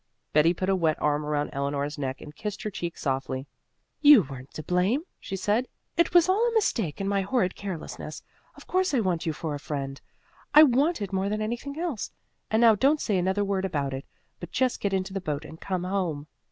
Betty put a wet arm around Eleanor's neck and kissed her cheek softly. "You weren't to blame," she said. "It was all a mistake and my horrid carelessness. Of course I want you for a friend. I want it more than anything else. And now don't say another word about it, but just get into the boat and come home."